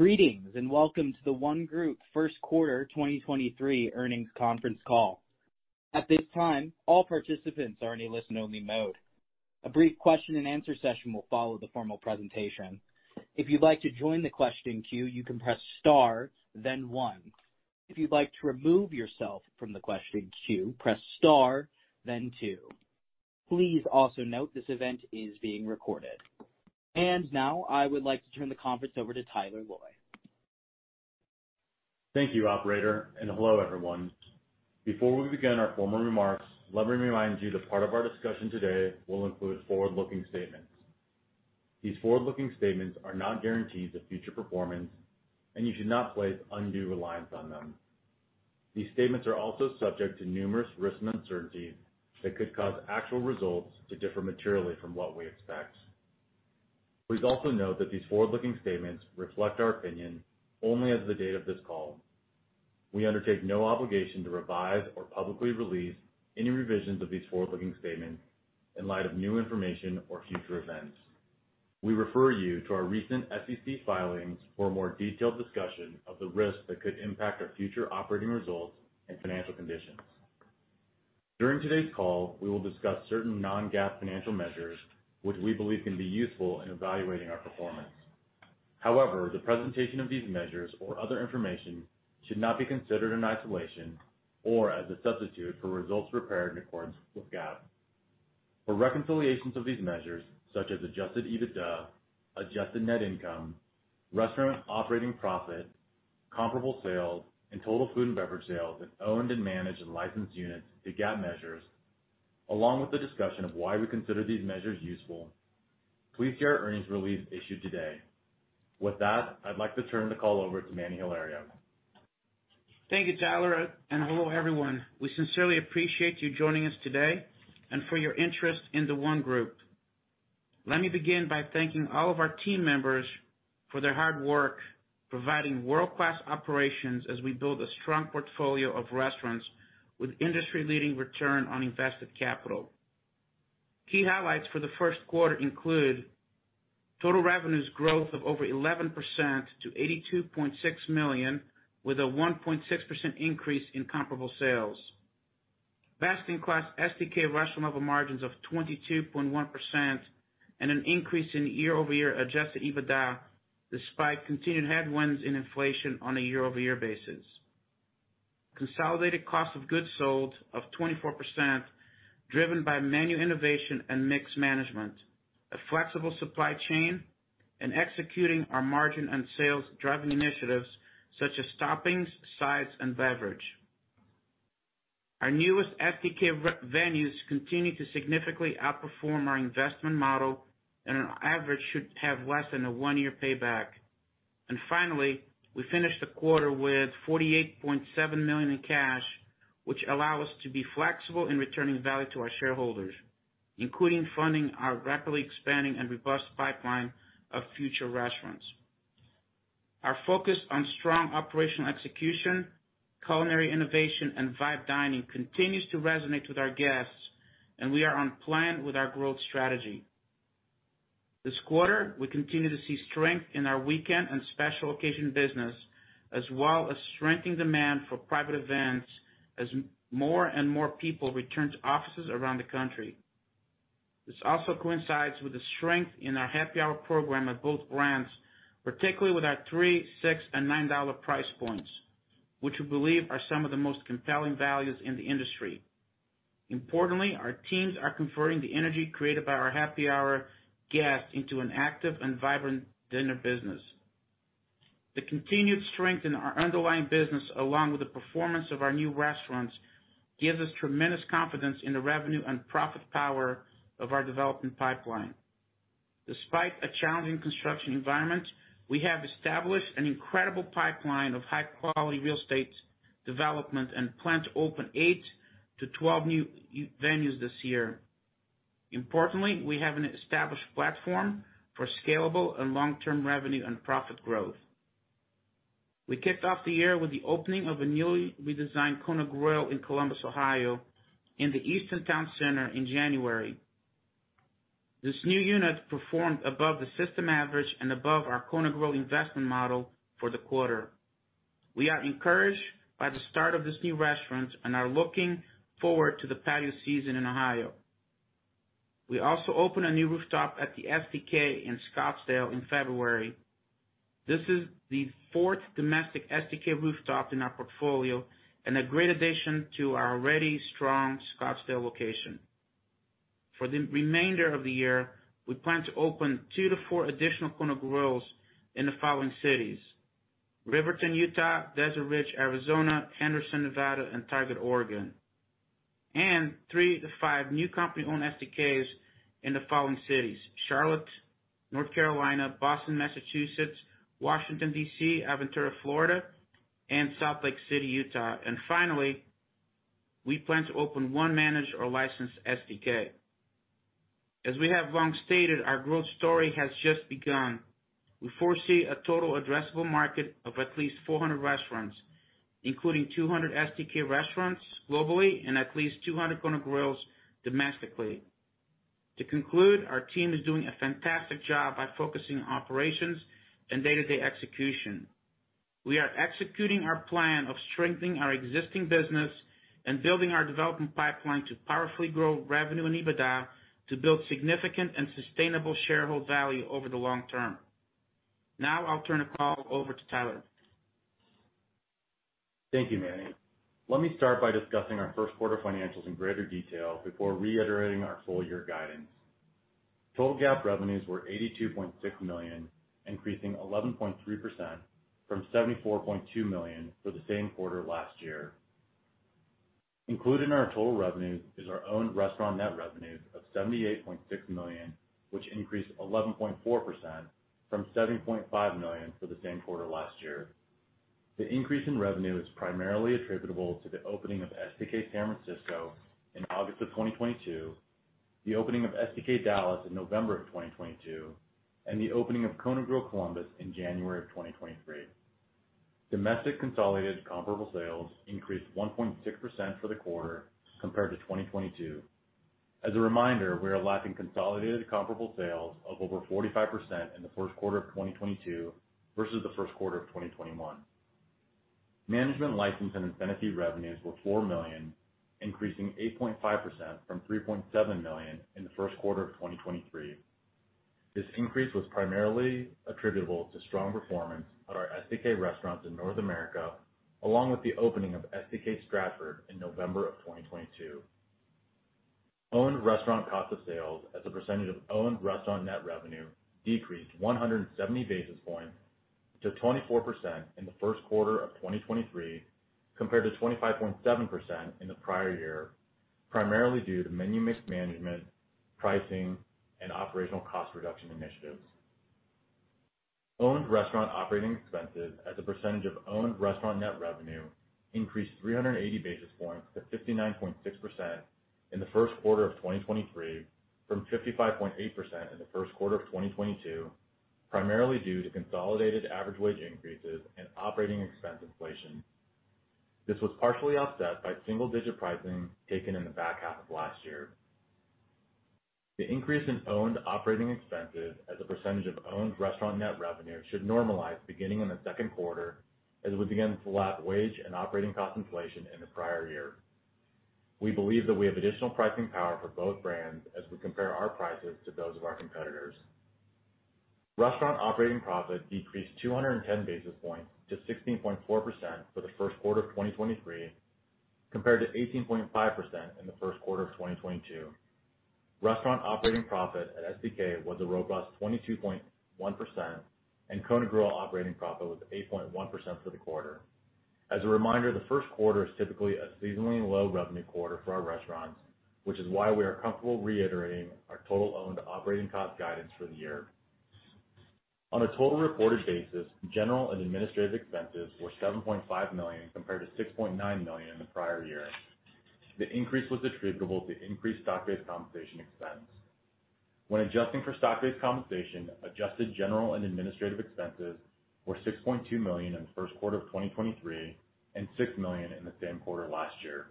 Greetings, welcome to The ONE Group Q1 2023 earnings conference call. At this time, all participants are in a listen-only mode. A brief question-and-answer session will follow the formal presentation. If you'd like to join the question queue, you can press star then one. If you'd like to remove yourself from the question queue, press star then two. Please also note this event is being recorded. Now I would like to turn the conference over to Tyler Loy. Thank you, operator, and hello, everyone. Before we begin our formal remarks, let me remind you that part of our discussion today will include forward-looking statements. These forward-looking statements are not guarantees of future performance, and you should not place undue reliance on them. These statements are also subject to numerous risks and uncertainties that could cause actual results to differ materially from what we expect. Please also note that these forward-looking statements reflect our opinion only as of the date of this call. We undertake no obligation to revise or publicly release any revisions of these forward-looking statements in light of new information or future events. We refer you to our recent SEC filings for a more detailed discussion of the risks that could impact our future operating results and financial conditions. During today's call, we will discuss certain non-GAAP financial measures which we believe can be useful in evaluating our performance. However, the presentation of these measures or other information should not be considered in isolation or as a substitute for results prepared in accordance with GAAP. For reconciliations of these measures, such as adjusted EBITDA, adjusted net income, restaurant operating profit, comparable sales, and total food and beverage sales in owned and managed and licensed units to GAAP measures, along with the discussion of why we consider these measures useful, please see our earnings release issued today. With that, I'd like to turn the call over to Manny Hilario. Thank you, Tyler, and hello, everyone. We sincerely appreciate you joining us today and for your interest in The ONE Group. Let me begin by thanking all of our team members for their hard work providing world-class operations as we build a strong portfolio of restaurants with industry-leading return on invested capital. Key highlights for the Q1 include total revenues growth of over 11% to $82.6 million, with a 1.6% increase in comparable sales. Best-in-class STK restaurant level margins of 22.1% and an increase in year-over-year adjusted EBITDA, despite continued headwinds in inflation on a year-over-year basis. Consolidated cost of goods sold of 24%, driven by menu innovation and mix management, a flexible supply chain, and executing our margin and sales-driving initiatives such as toppings, sides, and beverage. Our newest STK venues continue to significantly outperform our investment model and on average should have less than a one-year payback. Finally, we finished the quarter with $48.7 million in cash, which allow us to be flexible in returning value to our shareholders, including funding our rapidly expanding and robust pipeline of future restaurants. Our focus on strong operational execution, culinary innovation, and Vibe Dining continues to resonate with our guests. We are on plan with our growth strategy. This quarter, we continue to see strength in our weekend and special occasion business, as well as strengthening demand for private events as more and more people return to offices around the country. This also coincides with the strength in our Happy Hour program at both brands, particularly with our $3, $6, and $9 price points, which we believe are some of the most compelling values in the industry. Importantly, our teams are converting the energy created by our Happy Hour guests into an active and vibrant dinner business. The continued strength in our underlying business, along with the performance of our new restaurants, gives us tremendous confidence in the revenue and profit power of our development pipeline. Despite a challenging construction environment, we have established an incredible pipeline of high-quality real estate development and plan to open 8 to 12 new venues this year. Importantly, we have an established platform for scalable and long-term revenue and profit growth. We kicked off the year with the opening of a newly redesigned Kona Grill in Columbus, Ohio, in the Easton Town Center in January. This new unit performed above the system average and above our Kona Grill investment model for the quarter. We are encouraged by the start of this new restaurant and are looking forward to the patio season in Ohio. We also opened a new rooftop at the STK in Scottsdale in February. This is the fourth domestic STK rooftop in our portfolio and a great addition to our already strong Scottsdale location. The remainder of the year, we plan to open 2-4 additional Kona Grills in the following cities: Riverton, Utah, Desert Ridge, Arizona, Henderson, Nevada, and Tigard, Oregon. 3-5 new company-owned STKs in the following cities: Charlotte, North Carolina, Boston, Massachusetts, Washington, D.C., Aventura, Florida, and Salt Lake City, Utah. Finally, we plan to open one managed or licensed STK. As we have long stated, our growth story has just begun. We foresee a total addressable market of at least 400 restaurants, including 200 STK restaurants globally and at least 200 Kona Grill domestically. To conclude, our team is doing a fantastic job by focusing on operations and day-to-day execution. We are executing our plan of strengthening our existing business and building our development pipeline to powerfully grow revenue and EBITDA to build significant and sustainable shareholder value over the long term. Now I'll turn the call over to Tyler. Thank you, Manny. Let me start by discussing our Q1 financials in greater detail before reiterating our full year guidance. Total GAAP revenues were $82.6 million, increasing 11.3% from $74.2 million for the same quarter last year. Included in our total revenue is our own restaurant net revenue of $78.6 million, which increased 11.4% from $7.5 million for the same quarter last year. The increase in revenue is primarily attributable to the opening of STK San Francisco in August of 2022, the opening of STK Dallas in November of 2022, and the opening of Kona Grill Columbus in January of 2023. Domestic consolidated comparable sales increased 1.6% for the quarter compared to 2022. As a reminder, we are lacking consolidated comparable sales of over 45% in the Q1 of 2022 versus the Q1 of 2021. Management license and incentive revenues were $4 million, increasing 8.5% from $3.7 million in the Q1 of 2023. This increase was primarily attributable to strong performance at our STK restaurants in North America, along with the opening of STK Stratford in November of 2022. Owned restaurant cost of sales as a percentage of owned restaurant net revenue decreased 170 basis points to 24% in the Q1 of 2023, compared to 25.7% in the prior year, primarily due to menu mix management, pricing, and operational cost reduction initiatives. Owned restaurant operating expenses as a percentage of owned restaurant net revenue increased 380 basis points to 59.6% in the Q1 of 2023 from 55.8% in the Q1 of 2022, primarily due to consolidated average wage increases and operating expense inflation. This was partially offset by single-digit pricing taken in the back half of last year. The increase in owned operating expenses as a percentage of owned restaurant net revenue should normalize beginning in the Q2 as we begin to lap wage and operating cost inflation in the prior year. We believe that we have additional pricing power for both brands as we compare our prices to those of our competitors. Restaurant operating profit decreased 210 basis points to 16.4% for the Q1 of 2023, compared to 18.5% in the Q1 of 2022. Restaurant operating profit at STK was a robust 22.1%, and Kona Grill operating profit was 8.1% for the quarter. As a reminder, the Q1 is typically a seasonally low revenue quarter for our restaurants, which is why we are comfortable reiterating our total owned operating cost guidance for the year. On a total reported basis, general and administrative expenses were $7.5 million, compared to $6.9 million in the prior year. The increase was attributable to increased stock-based compensation expense. When adjusting for stock-based compensation, adjusted general and administrative expenses were $6.2 million in the Q1 of 2023 and $6 million in the same quarter last year.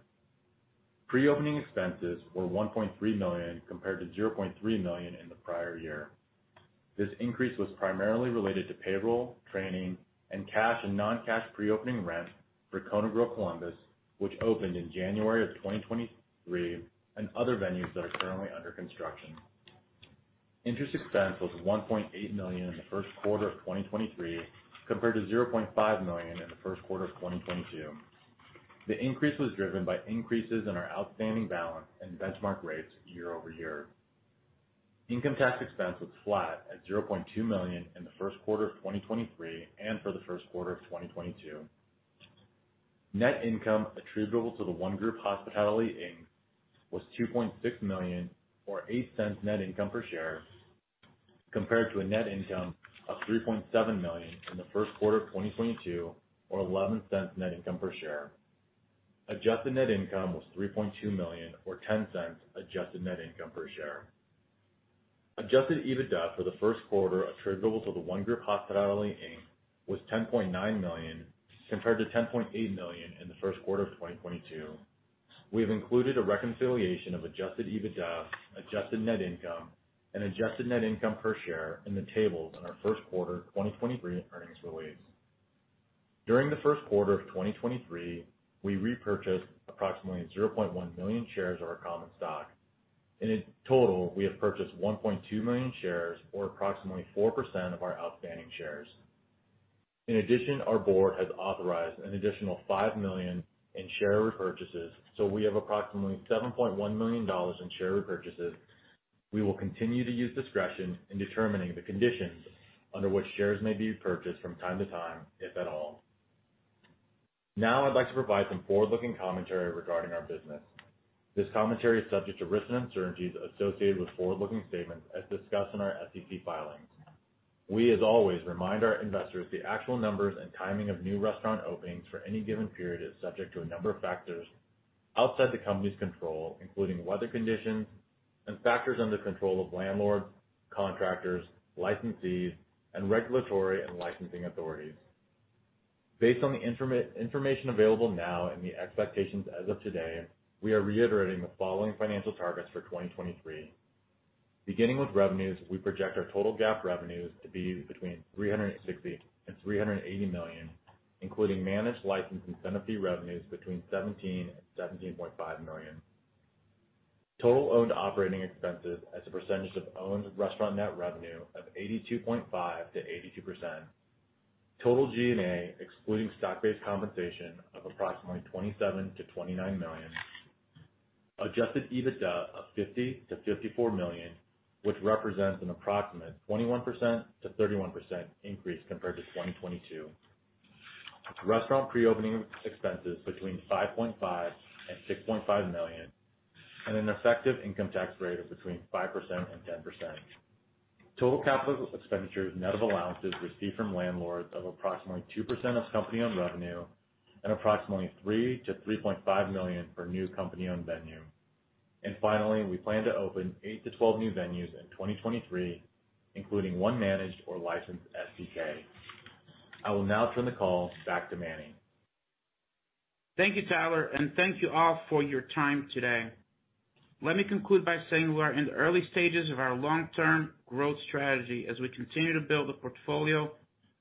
Pre-opening expenses were $1.3 million compared to $0.3 million in the prior year. This increase was primarily related to payroll, training, and cash and non-cash pre-opening rent for Kona Grill Columbus, which opened in January of 2023, and other venues that are currently under construction. Interest expense was $1.8 million in the Q1 of 2023, compared to $0.5 million in the Q1 of 2022. The increase was driven by increases in our outstanding balance and benchmark rates year-over-year. Income tax expense was flat at $0.2 million in the Q1 of 2023 and for the Q1 of 2022. Net income attributable to The ONE Group Hospitality, Inc. was $2.6 million or $0.08 net income per share, compared to a net income of $3.7 million in the Q1 of 2022 or $0.11 net income per share. adjusted net income was $3.2 million or $0.10 adjusted net income per share. adjusted EBITDA for the Q1 attributable to The ONE Group Hospitality, Inc. was $10.9 million compared to $10.8 million in the Q1 of 2022. We have included a reconciliation of adjusted EBITDA, adjusted net income, and adjusted net income per share in the tables in our Q1 2023 earnings release. During the Q1 of 2023, we repurchased approximately 0.1 million shares of our common stock. In total, we have purchased 1.2 million shares or approximately 4% of our outstanding shares. In addition, our board has authorized an additional $5 million in share repurchases. We have approximately $7.1 million in share repurchases. We will continue to use discretion in determining the conditions under which shares may be repurchased from time to time, if at all. I'd like to provide some forward-looking commentary regarding our business. This commentary is subject to risks and uncertainties associated with forward-looking statements as discussed in our SEC filings. We, as always, remind our investors the actual numbers and timing of new restaurant openings for any given period is subject to a number of factors outside the company's control, including weather conditions and factors under control of landlords, contractors, licensees, and regulatory and licensing authorities. Based on the information available now and the expectations as of today, we are reiterating the following financial targets for 2023. Beginning with revenues, we project our total GAAP revenues to be between $360 million-$380 million, including managed license incentive fee revenues between $17 million-$17.5 million. Total owned operating expenses as a percentage of owned restaurant net revenue of 82.5%-82%. Total G&A, excluding stock-based compensation of approximately $27 million-$29 million. adjusted EBITDA of $50 million-$54 million, which represents an approximate 21%-31% increase compared to 2022. Restaurant pre-opening expenses between $5.5 million and $6.5 million, and an effective income tax rate of between 5% and 10%. Total capital expenditures net of allowances received from landlords of approximately 2% of company-owned revenue and approximately $3 million-$3.5 million for new company-owned venue. Finally, we plan to open 8 to 12 new venues in 2023, including one managed or licensed STK. I will now turn the call back to Manny. Thank you, Tyler, and thank you all for your time today. Let me conclude by saying we are in the early stages of our long-term growth strategy as we continue to build a portfolio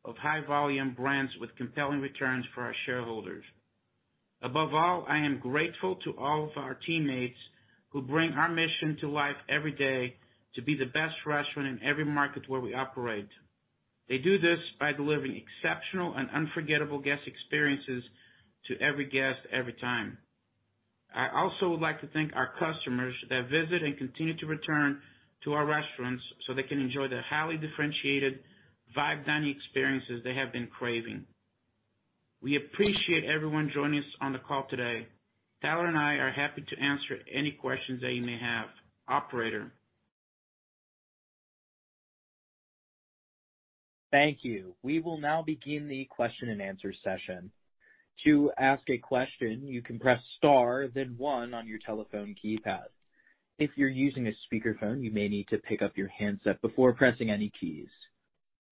of high volume brands with compelling returns for our shareholders. Above all, I am grateful to all of our teammates who bring our mission to life every day to be the best restaurant in every market where we operate. They do this by delivering exceptional and unforgettable guest experiences to every guest every time. I also would like to thank our customers that visit and continue to return to our restaurants so they can enjoy the highly differentiated Vibe Dining experiences they have been craving. We appreciate everyone joining us on the call today. Tyler and I are happy to answer any questions that you may have. Operator? Thank you. We will now begin the question and answer session. To ask a question, you can press star then one on your telephone keypad. If you're using a speakerphone, you may need to pick up your handset before pressing any keys.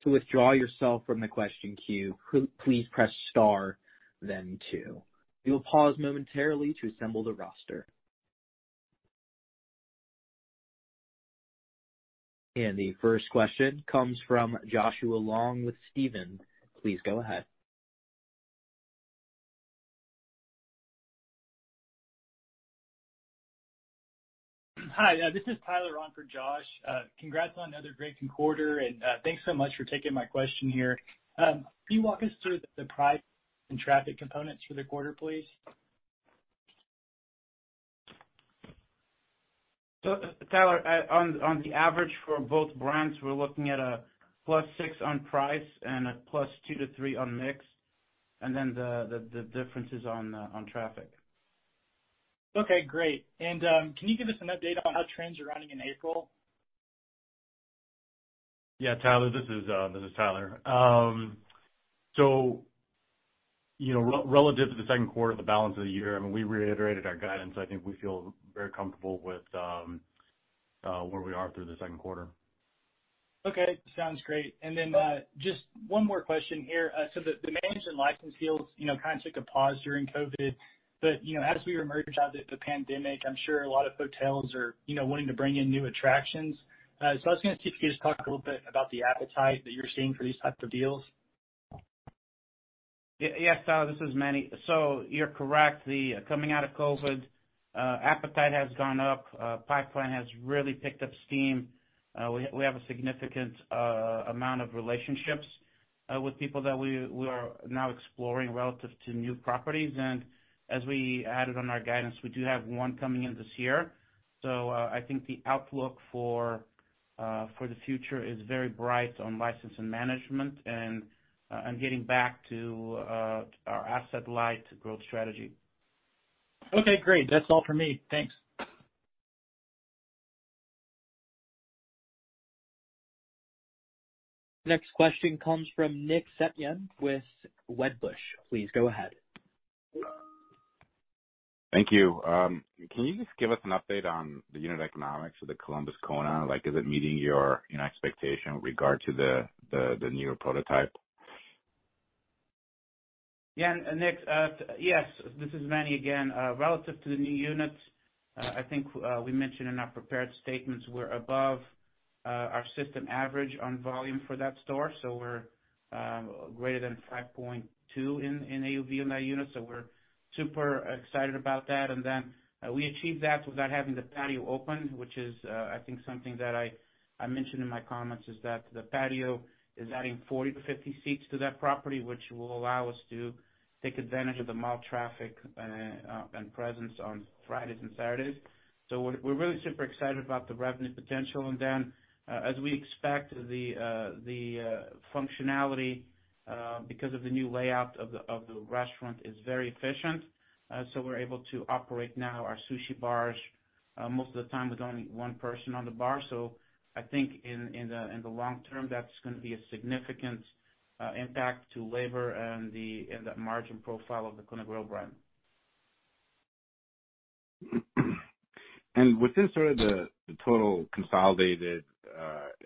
To withdraw yourself from the question queue, please press star then two. We will pause momentarily to assemble the roster. The first question comes from Joshua Long with Stephens. Please go ahead. Hi, this is Tyler on for Josh. Congrats on another great quarter and thanks so much for taking my question here. Can you walk us through the price and traffic components for the quarter, please? Tyler, on the average for both brands, we're looking at a +6 on price and a +2 to +3 on mix and then the differences on traffic. Okay, great. Can you give us an update on how trends are running in April? Yeah. Tyler, this is Tyler. You know, relative to the Q2 of the balance of the year, I mean, we reiterated our guidance. I think we feel very comfortable with, where we are through the Q2. Okay. Sounds great. Just one more question here. The management license deals, you know, kind of took a pause during COVID, you know, as we emerge out the pandemic, I'm sure a lot of hotels are, you know, wanting to bring in new attractions. I was gonna see if you could just talk a little bit about the appetite that you're seeing for these types of deals? Yes, Tyler, this is Manny. You're correct. The coming out of COVID, appetite has gone up. Pipeline has really picked up steam. We have a significant amount of relationships with people that we are now exploring relative to new properties. As we added on our guidance, we do have one coming in this year. I think the outlook for the future is very bright on license and management and getting back to our asset-light growth strategy. Okay, great. That's all for me. Thanks. Next question comes from Nick Setyan with Wedbush. Please go ahead. Thank you. Can you just give us an update on the unit economics of the Columbus Kona Grill? Like, is it meeting your, you know, expectation with regard to the newer prototype? Yeah, Nick, yes, this is Manny again. Relative to the new units, I think we mentioned in our prepared statements we're above our system average on volume for that store. We're greater than 5.2 in AUV in that unit, so we're super excited about that. We achieved that without having the patio open, which is I think something that I mentioned in my comments is that the patio is adding 40-50 seats to that property, which will allow us to take advantage of the mall traffic and presence on Fridays and Saturdays. We're really super excited about the revenue potential. Then, as we expect the, functionality, because of the new layout of the, of the restaurant is very efficient, we're able to operate now our sushi bars most of the time with only one person on the bar. I think in the, in the long term, that's gonna be a significant impact to labor and the margin profile of the Kona Grill brand. Within sort of the total consolidated,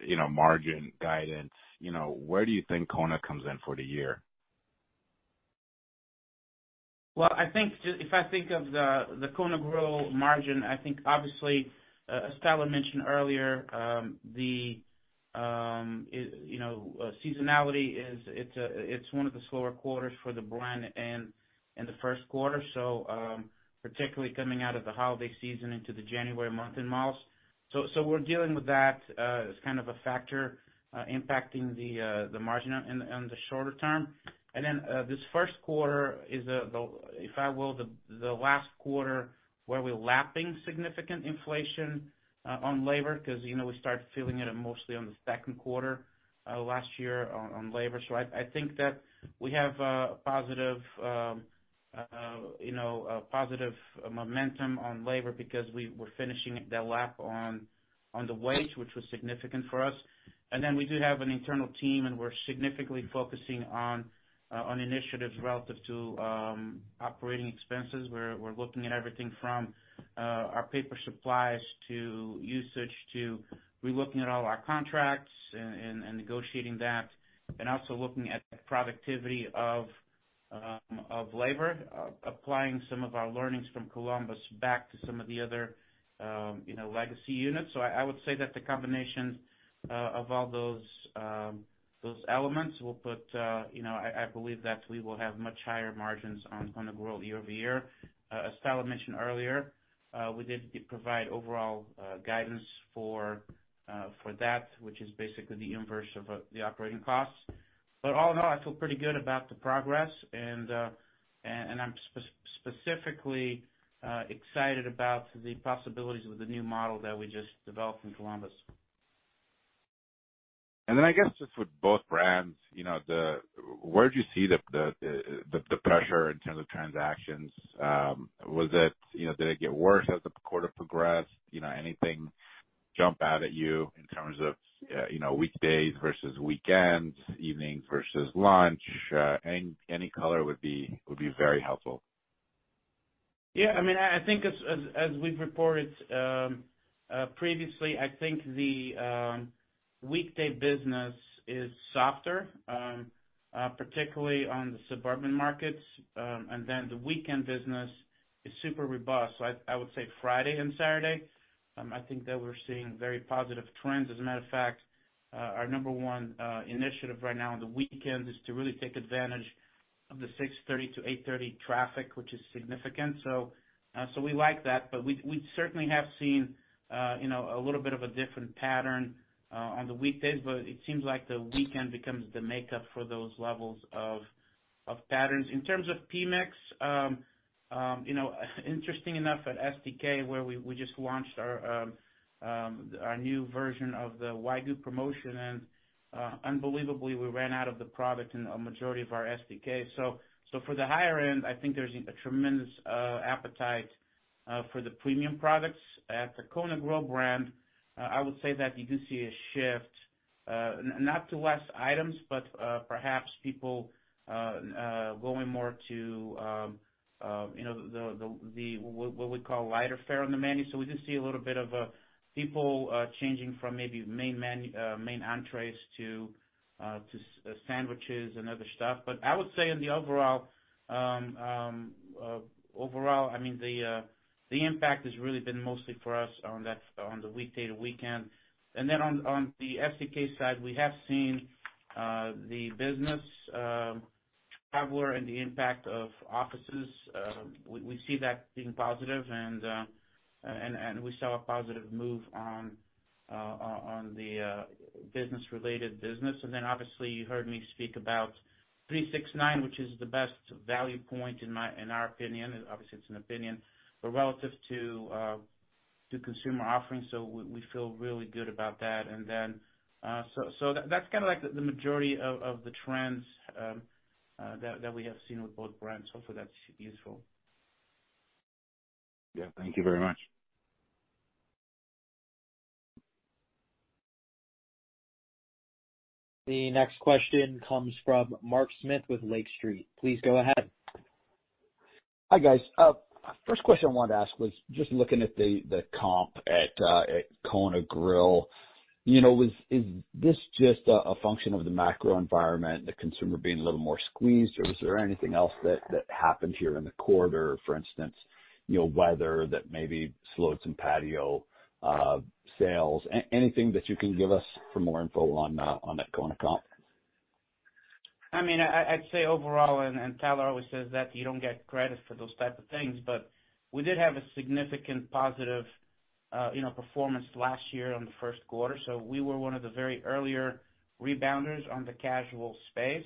you know, margin guidance, you know, where do you think Kona comes in for the year? I think If I think of the Kona Grill margin, I think obviously, as Tyler mentioned earlier, the is, you know, seasonality is it's one of the slower quarters for the brand and in the Q1. Particularly coming out of the holiday season into the January month in malls. We're dealing with that, as kind of a factor, impacting the margin on, in the shorter term. Then, this Q1 is the, if I will, the last quarter where we're lapping significant inflation, on labor 'cause, you know, we start feeling it mostly on the Q2, last year on labor. I think that we have a positive, you know, a positive momentum on labor because we're finishing the lap on the wage, which was significant for us. We do have an internal team, and we're significantly focusing on initiatives relative to operating expenses. We're looking at everything from our paper supplies to usage to relooking at all our contracts and negotiating that. Looking at productivity of labor, applying some of our learnings from Columbus back to some of the other, you know, legacy units. I would say that the combination of all those elements will put, you know, I believe that we will have much higher margins on Kona Grill year-over-year. As Tyler mentioned earlier, we did provide overall guidance for that, which is basically the inverse of the operating costs. All in all, I feel pretty good about the progress, and I'm specifically excited about the possibilities with the new model that we just developed in Columbus. I guess just with both brands, you know, where do you see the pressure in terms of transactions? Was it, you know, did it get worse as the quarter progressed? You know, anything jump out at you in terms of, you know, weekdays versus weekends, evenings versus lunch? Any color would be very helpful. Yeah. I mean, I think as we've reported previously, I think the weekday business is softer, particularly on the suburban markets. The weekend business is super robust. I would say Friday and Saturday, I think that we're seeing very positive trends. As a matter of fact, our number one initiative right now on the weekend is to really take advantage of the 6:30 P.M. to 8:30 P.M. traffic, which is significant. We like that, but we certainly have seen, you know, a little bit of a different pattern on the weekdays. It seems like the weekend becomes the makeup for those levels of patterns. In terms of P-Mix, you know, interesting enough at STK, where we just launched our new version of the Wagyu promotion, unbelievably, we ran out of the product in a majority of our STK. For the higher end, I think there's a tremendous appetite for the premium products. At the Kona Grill brand, I would say that you do see a shift not to less items, but perhaps people going more to, you know, the what we call lighter fare on the menu. We do see a little bit of people changing from maybe main entrees to sandwiches and other stuff. I would say in the overall, I mean, the impact has really been mostly for us on the weekday to weekend. On the STK side, we have seen the business traveler and the impact of offices, we see that being positive, and we saw a positive move on the business-related business. Obviously, you heard me speak about $3, $6, $9, which is the best value point in our opinion. Obviously, it's an opinion, but relative to consumer offerings. We feel really good about that. So that's kinda like the majority of the trends that we have seen with both brands. Hopefully that's useful. Yeah. Thank you very much. The next question comes from Mark Smith with Lake Street. Please go ahead. Hi, guys. First question I wanted to ask was just looking at the comp at Kona Grill. You know, is this just a function of the macro environment, the consumer being a little more squeezed, or was there anything else that happened here in the quarter? For instance, you know, weather that maybe slowed some patio sales. Anything that you can give us for more info on that Kona comp. I mean, I'd say overall, and Tyler always says that you don't get credit for those type of things, but we did have a significant positive, you know, performance last year on the Q1. We were one of the very earlier rebounders on the casual space.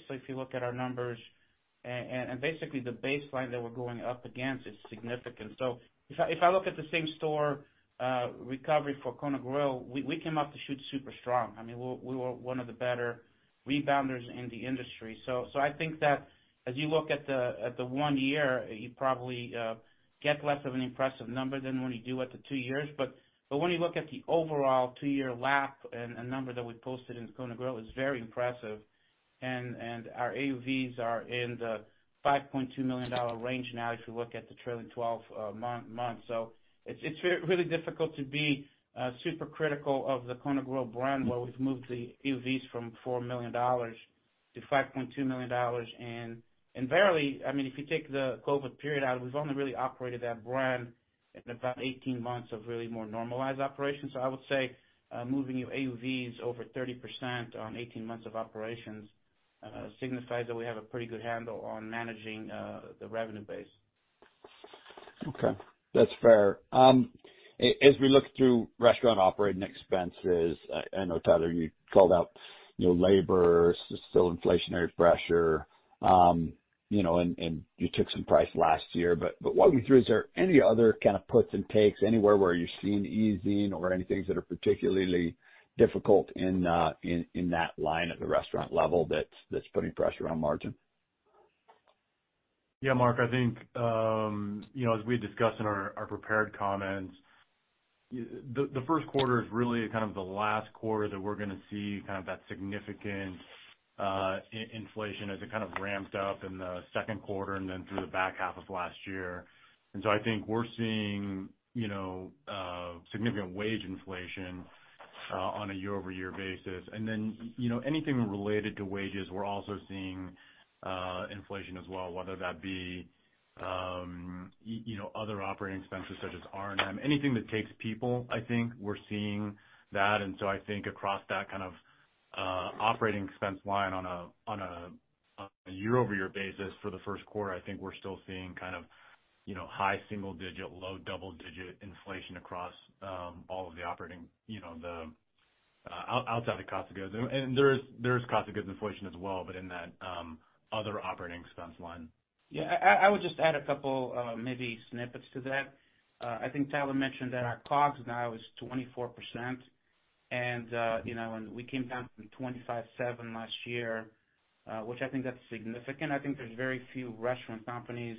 Basically the baseline that we're going up against is significant. If I look at the same store recovery for Kona Grill, we came up to shoot super strong. I mean, we were one of the better rebounders in the industry. I think that as you look at the one year, you probably get less of an impressive number than when you do at the two years. When you look at the overall 2-year lap and a number that we posted in Kona Grill is very impressive. Our AUVs are in the $5.2 million range now if you look at the trailing 12 month. It's really difficult to be super critical of the Kona Grill brand where we've moved the AUVs from $4 million to $5.2 million. Verily, I mean, if you take the COVID period out, we've only really operated that brand in about 18 months of really more normalized operations. I would say, moving your AUVs over 30% on 18 months of operations, signifies that we have a pretty good handle on managing the revenue base. Okay, that's fair. As we look through restaurant operating expenses, I know, Tyler, you called out, you know, labor, still inflationary pressure, you know, and you took some price last year. Walking through, is there any other kind of puts and takes anywhere where you're seeing easing or any things that are particularly difficult in that line at the restaurant level that's putting pressure on margin? Yeah, Mark, I think, you know, as we discussed in our prepared comments, the 1st quarter is really kind of the last quarter that we're gonna see kind of that significant inflation as it kind of ramped up in the 2nd quarter and then through the back half of last year. I think we're seeing, you know, significant wage inflation on a year-over-year basis. Then, you know, anything related to wages, we're also seeing inflation as well, whether that be, you know, other operating expenses such as R&M. Anything that takes people, I think we're seeing that. I think across that kind of operating expense line on a year-over-year basis for the Q1, I think we're still seeing kind of, you know, high single-digit%, low double-digit% inflation across all of the operating, you know, outside of cost of goods. And there is cost of goods inflation as well, but in that other operating expense line. Yeah, I would just add a couple, maybe snippets to that. I think Tyler mentioned that our COGS now is 24% and, you know, and we came down from 25.7% last year, which I think that's significant. I think there's very few restaurant companies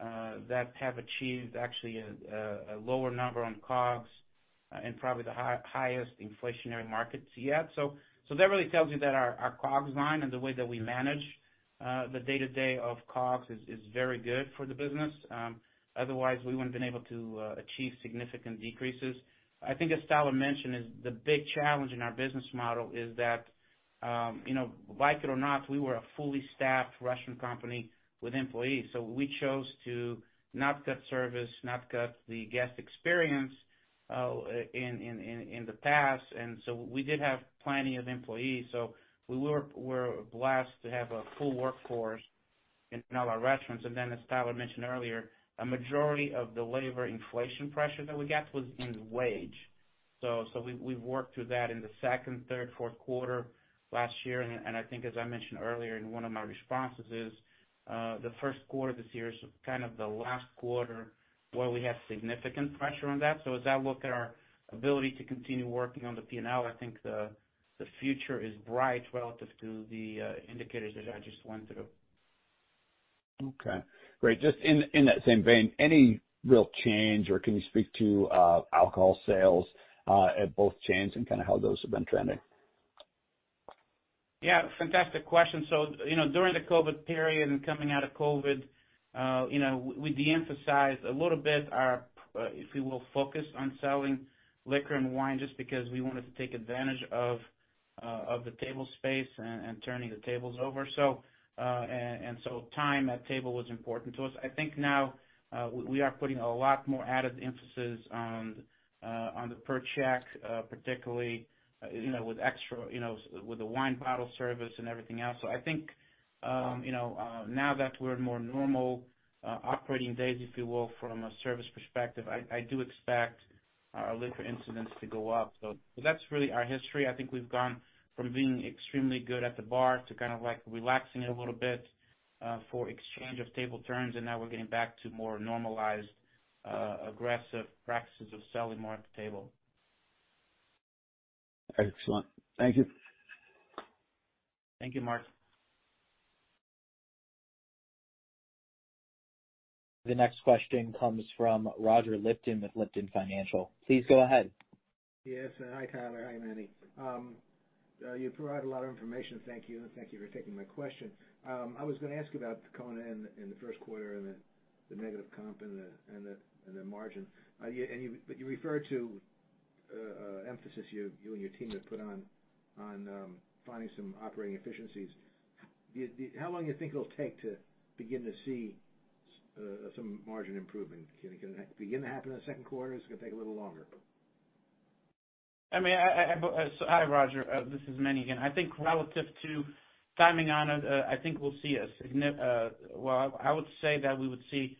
that have achieved actually a lower number on COGS and probably the highest inflationary markets yet. That really tells you that our COGS line and the way that we manage the day-to-day of COGS is very good for the business. Otherwise we wouldn't been able to achieve significant decreases. I think as Tyler mentioned is the big challenge in our business model is that, you know, like it or not, we were a fully staffed restaurant company with employees. We chose to not cut service, not cut the guest experience, in the past. We did have plenty of employees, so we were blessed to have a full workforce in all our restaurants. As Tyler mentioned earlier, a majority of the labor inflation pressure that we got was in wage. So we worked through that in the second, third, Q4 last year. And I think as I mentioned earlier in one of my responses is, the Q1 this year is kind of the last quarter where we have significant pressure on that. As I look at our ability to continue working on the P&L, I think the future is bright relative to the indicators that I just went through. Okay, great. Just in that same vein, any real change or can you speak to alcohol sales at both chains and kind of how those have been trending? Yeah, fantastic question. You know, during the COVID period and coming out of COVID, you know, we de-emphasized a little bit our, if you will, focus on selling liquor and wine just because we wanted to take advantage of the table space and turning the tables over. Time at table was important to us. I think now, we are putting a lot more added emphasis on the per check, particularly, you know, with extra, you know, with the wine bottle service and everything else. I think, you know, now that we're in more normal operating days if you will, from a service perspective, I do expect our liquor incidents to go up. That's really our history. I think we've gone from being extremely good at the bar to kind of like relaxing it a little bit, for exchange of table turns, and now we're getting back to more normalized, aggressive practices of selling more at the table. Excellent. Thank you. Thank you, Mark. The next question comes from Roger Lipton with Lipton Financial. Please go ahead. Hi, Tyler. Hi, Manny. You provide a lot of information. Thank you for taking my question. I was gonna ask you about Kona in the Q1 and the negative comp and the margin. Yeah, but you referred to emphasis you and your team have put on finding some operating efficiencies. How long do you think it'll take to begin to see some margin improvement? Can it gonna begin to happen in the Q2? Is it gonna take a little longer? I mean, I... Hi, Roger, this is Manny again. I think relative to timing on it, I think we'll see well, I would say that we would see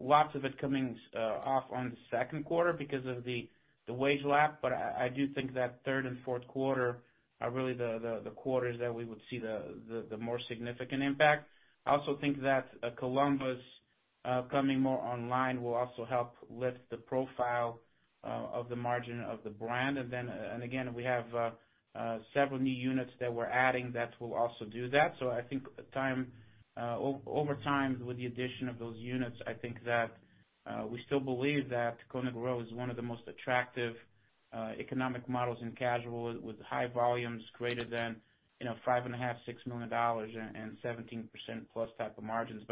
lots of it coming off on the Q2 because of the wage lap. I do think that third and Q4 are really the quarters that we would see the more significant impact. I also think that Columbus coming more online will also help lift the profile of the margin of the brand. And again, we have several new units that we're adding that will also do that. I think over time, with the addition of those units, I think that we still believe that Kona Grill is one of the most attractive economic models in casual with high volumes greater than, you know, $5.5 million-$6 million and 17%+ type of margins.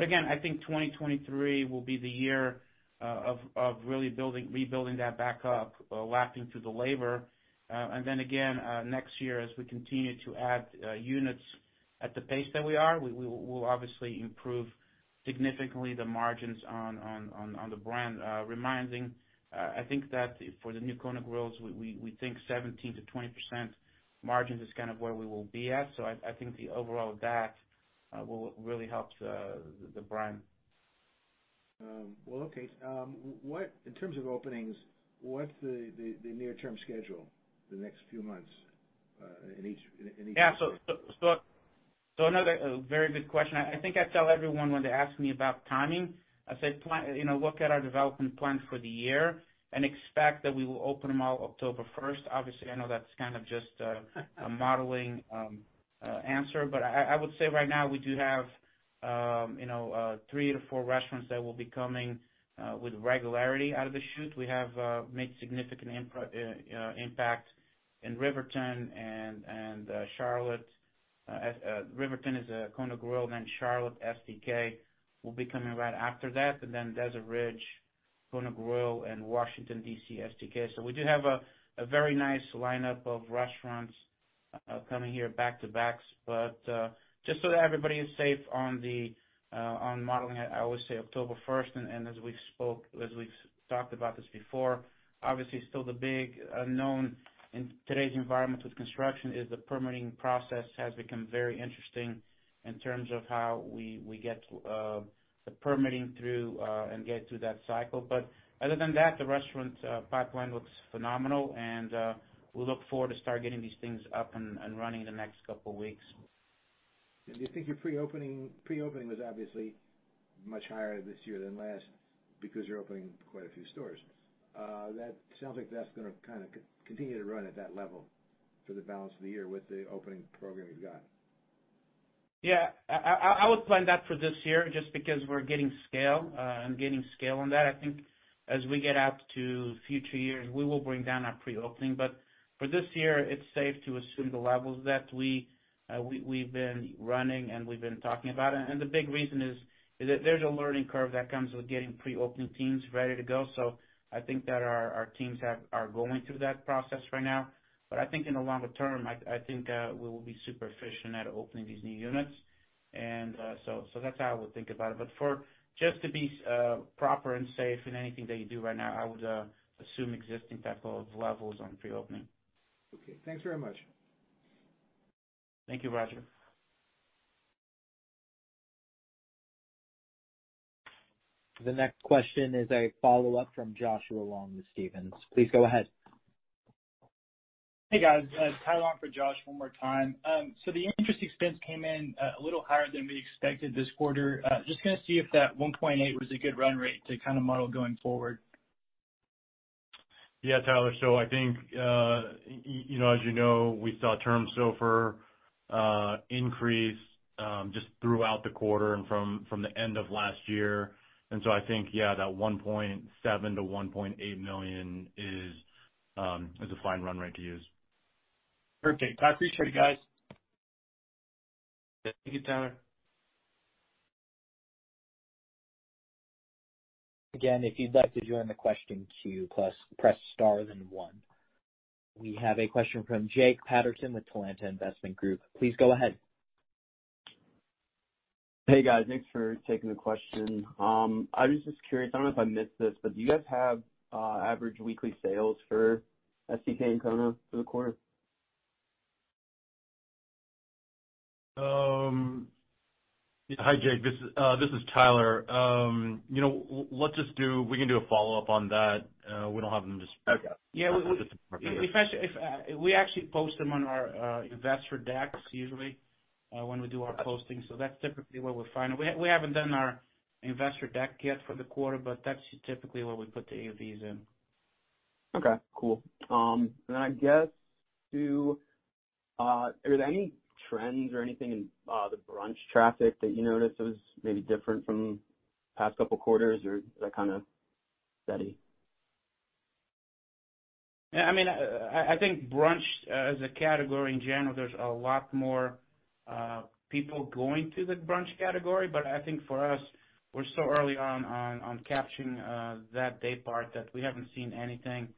Again, I think 2023 will be the year of really building, rebuilding that back up, lapping through the labor. Then again, next year, as we continue to add units at the pace that we are, we will obviously improve significantly the margins on the brand. Reminding, I think that for the new Kona Grills, we think 17%-20% margins is kind of where we will be at. I think the overall of that will really help the brand. Well, okay. In terms of openings, what's the near-term schedule for the next few months, in each? Yeah. So another very good question. I think I tell everyone when they ask me about timing, I say You know, look at our development plan for the year and expect that we will open them all October first. Obviously, I know that's kind of just a modeling answer, but I would say right now we do have, you know, 3 to 4 restaurants that will be coming with regularity out of the chute. We have made significant impact in Riverton and Charlotte. As Riverton is a Kona Grill, then Charlotte STK will be coming right after that. Desert Ridge, Kona Grill, and Washington, D.C., STK. We do have a very nice lineup of restaurants coming here back-to-backs. Just so that everybody is safe on the, on modeling, I would say October first. As we spoke, as we talked about this before, obviously still the big unknown in today's environment with construction is the permitting process has become very interesting in terms of how we get the permitting through and get through that cycle. Other than that, the restaurant pipeline looks phenomenal and we look forward to start getting these things up and running in the next couple weeks. Do you think your pre-opening was obviously much higher this year than last because you're opening quite a few stores. That sounds like that's gonna kinda continue to run at that level for the balance of the year with the opening program you've got. Yeah. I would plan that for this year just because we're getting scale and gaining scale on that. I think as we get out to future years, we will bring down our pre-opening. For this year, it's safe to assume the levels that we've been running and we've been talking about. The big reason is that there's a learning curve that comes with getting pre-opening teams ready to go. I think that our teams are going through that process right now. I think in the longer term, I think we will be super efficient at opening these new units. That's how I would think about it. For just to be, proper and safe in anything that you do right now, I would assume existing type of levels on pre-opening. Okay. Thanks very much. Thank you, Roger. The next question is a follow-up from Joshua Long with Stephens. Please go ahead. Hey, guys. Tyler on for Joshua Long one more time. The interest expense came in a little higher than we expected this quarter. Just gonna see if that $1.8 was a good run rate to kinda model going forward. Yeah, Tyler. I think, you know, as you know, we saw term SOFR increase just throughout the quarter and from the end of last year. I think, yeah, that $1.7 million-$1.8 million is a fine run rate to use. Perfect. I appreciate it, guys. Yeah. Thank you, Tyler. If you'd like to join the question queue plus press Star then one. We have a question from Jake Patterson with TALANTA Investment Group. Please go ahead. Hey, guys. Thanks for taking the question. I was just curious. I don't know if I missed this, do you guys have average weekly sales for STK and Kona for the quarter? Hi, Jake. This, this is Tyler. You know, let's just do... We can do a follow-up on that. We don't have them just- Okay. Yeah. Just roughly. If we actually post them on our investor decks usually, when we do our posting, so that's typically where we find them. We haven't done our investor deck yet for the quarter, but that's typically where we put any of these in. Okay, cool. I guess to, are there any trends or anything in the brunch traffic that you noticed that was maybe different from past couple quarters, or is that kinda steady? Yeah, I mean, I think brunch as a category in general, there's a lot more people going to the brunch category. I think for us, we're so early on capturing that day part that we haven't seen anything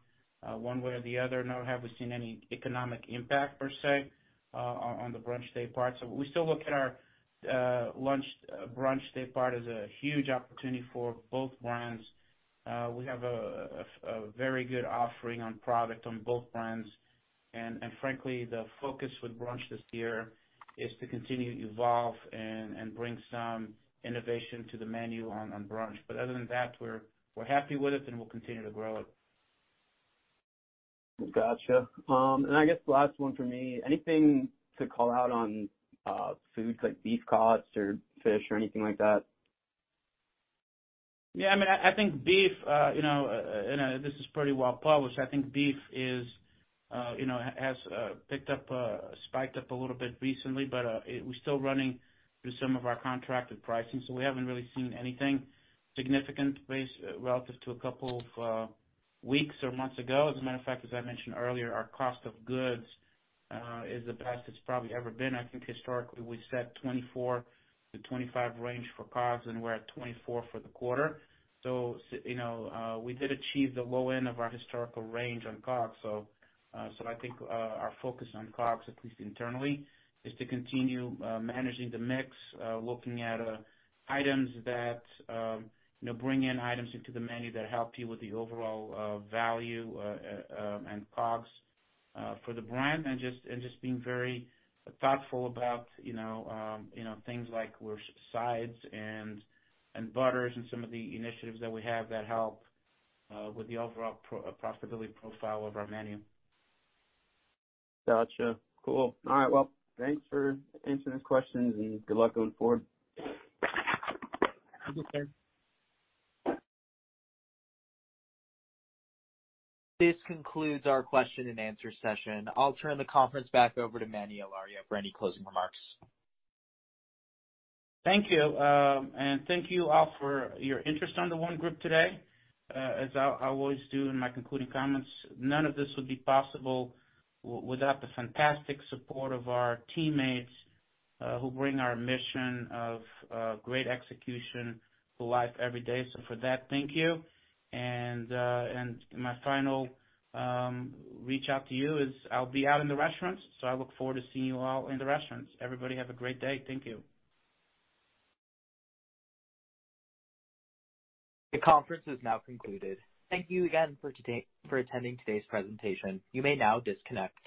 one way or the other, nor have we seen any economic impact per se on the brunch day part. We still look at our lunch, brunch day part as a huge opportunity for both brands. We have a very good offering on product on both brands. Frankly, the focus with brunch this year is to continue to evolve and bring some innovation to the menu on brunch. Other than that, we're happy with it and we'll continue to grow it. Gotcha. I guess the last one for me, anything to call out on, foods like beef costs or fish or anything like that? Yeah, I mean, I think beef, you know, and this is pretty well published. I think beef is, you know, has picked up, spiked up a little bit recently, but we're still running through some of our contracted pricing, so we haven't really seen anything significant base relative to a couple of weeks or months ago. As a matter of fact, as I mentioned earlier, our cost of goods is the best it's probably ever been. I think historically we set 24-25 range for COGS, and we're at 24 for the quarter. You know, we did achieve the low end of our historical range on COGS. I think, our focus on COGS, at least internally, is to continue managing the mix, looking at items that, you know, bring in items into the menu that help you with the overall value and COGS for the brand. Just being very thoughtful about, you know, you know, things like we're sides and butters and some of the initiatives that we have that help with the overall pro-profitability profile of our menu. Gotcha. Cool. All right, well, thanks for answering the questions, and good luck going forward. Thank you, sir. This concludes our question and answer session. I'll turn the conference back over to Manny Hilario for any closing remarks. Thank you. Thank you all for your interest on The ONE Group today. As I always do in my concluding comments, none of this would be possible without the fantastic support of our teammates, who bring our mission of great execution to life every day. For that, thank you. My final reach out to you is I'll be out in the restaurants, so I look forward to seeing you all in the restaurants. Everybody, have a great day. Thank you. The conference is now concluded. Thank you again for attending today's presentation. You may now disconnect.